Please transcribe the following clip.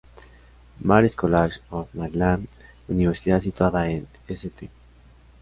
Mary’s College of Maryland, universidad situada en St.